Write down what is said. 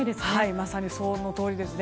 まさにそのとおりですね。